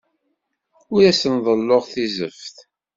Ur asen-ḍelluɣ tizeft.